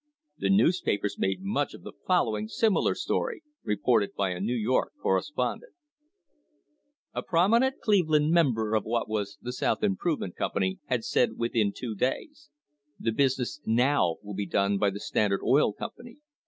The newspapers made much of the following similar story reported by a New York correspondent: A prominent Cleveland member of what was the South Improvement Company had said within two days: "The business now will be done by the Standard Oil Company.